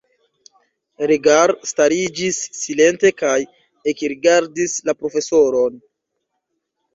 Rigar stariĝis silente kaj ekrigardis la profesoron.